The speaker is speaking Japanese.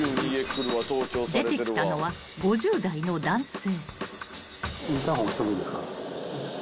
［出てきたのは５０代の男性］